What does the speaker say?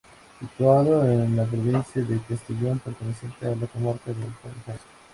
Situado en la provincia de Castellón y perteneciente a la comarca del Alto Mijares.